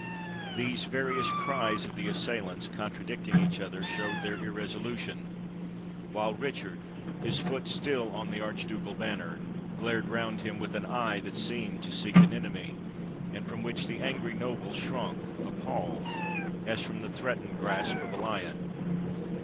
These various cries of the assailants, contradicting each 613 PALESTINE other, showed their irresolution ; while Richard, his foot still on the archducal banner, glared round him, with an eye that seemed to seek an enemy, and from which the angry nobles shrunk appalled, as from the threatened grasp of a Uon.